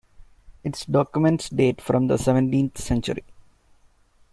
Its documents date from the seventeenth century.